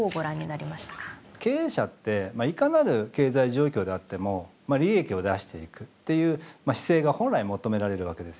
経営者っていかなる経済状況であっても利益を出していくっていう姿勢が本来求められるわけですよね。